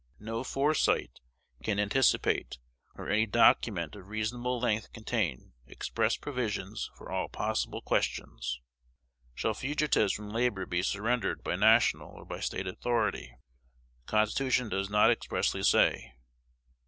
No foresight can anticipate, nor any document of reasonable length contain, express provisions for all possible questions. Shall fugitives from labor be surrendered by National or by State authority? The Constitution does not expressly say.